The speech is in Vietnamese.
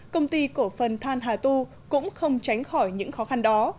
công ty cổ phần than hà tu cũng không tránh khỏi những khó khăn đó